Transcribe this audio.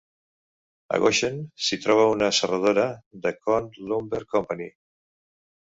A Goshen s'hi troba una serradora de Cone Lumber Company.